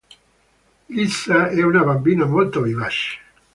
Lisa è una bambina molto vivace.